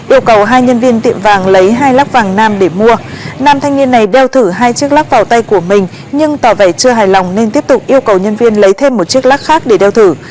yêu cầu hai nhân viên tiệm vàng lấy hai lắc vàng nam để mua nam thanh niên này đeo thử hai chiếc lắc vào tay của mình nhưng tỏ vẻ chưa hài lòng nên tiếp tục yêu cầu nhân viên lấy thêm một chiếc lắc khác để đeo thử